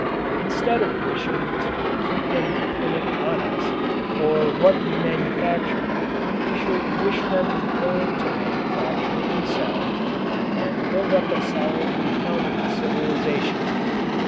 Instead of wishing to keep them dependent on us for what we manufacture, we should wish them to learn to manufacture themselves and build up a solidly founded civilization.